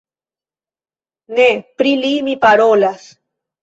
Ne pri li mi parolas!